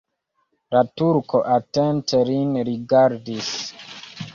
La turko atente lin rigardis.